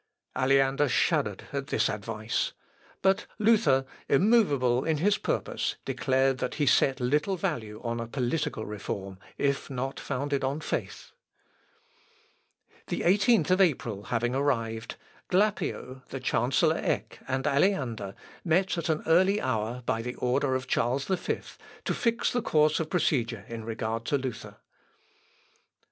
Aleander shuddered at this advice. But Luther, immovable in his purpose, declared that he set little value on a political reform, if not founded on faith. The 18th of April having arrived, Glapio, the Chancellor Eck, and Aleander, met at an early hour, by order of Charles V, to fix the course of procedure in regard to Luther. [Sidenote: LUTHER'S WRESTLING AND PRAYER.